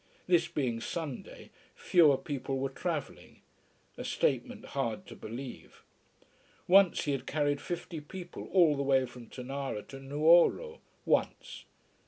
This being Sunday, fewer people were travelling: a statement hard to believe. Once he had carried fifty people all the way from Tonara to Nuoro. Once!